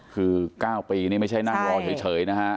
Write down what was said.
คือ๙ปีนี่ไม่ใช่นั่งรอเฉยนะฮะ